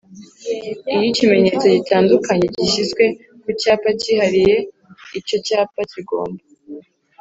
Iyo ikimenyetso gitandukanya gishyizwe ku cyapa cyihariye icyo cyapa kigomba